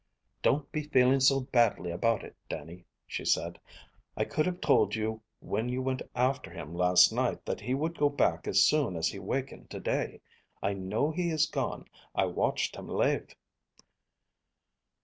"Don't be feeling so badly about it, Dannie," she said. "I could have told you when you went after him last night that he would go back as soon as he wakened to day. I know he is gone. I watched him lave."